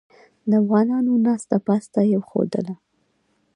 د افغانانو ناسته پاسته یې خوښیدله.